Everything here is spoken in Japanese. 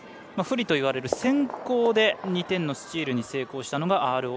不利といわれる先攻で２点のスチールに成功したのがＲＯＣ。